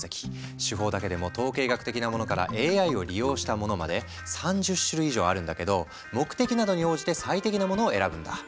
手法だけでも統計学的なものからＡＩを利用したものまで３０種類以上あるんだけど目的などに応じて最適なものを選ぶんだ。